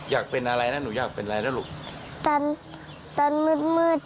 อยากเป็นอะไรนะหนูอยากเป็นอะไรนะลูก